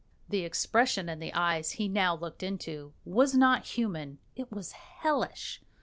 The expression in the eyes he now looked into was not human it was hellish.